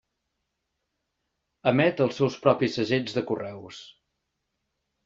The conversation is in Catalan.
Emet els seus propis segells de correus.